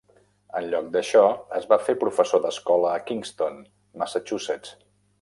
En lloc d'això, es va fer professor d'escola a Kingston (Massachusetts).